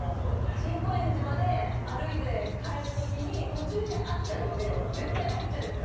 新高円寺まで歩いて帰る時に途中にあっちゃうんで絶対入っちゃうんですよ。